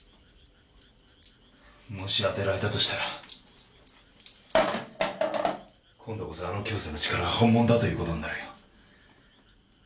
もし当てられたとしたら今度こそあの教祖の力は本物だという事になるよ。